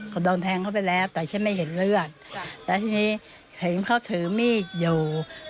ก็โดนแทงเข้าไปแล้วแต่ฉันไม่เห็นเลือดแล้วทีนี้เห็นเขาถือมีดอยู่